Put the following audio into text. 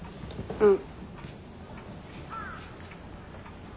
うん。